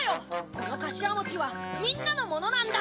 このかしわもちはみんなのものなんだ！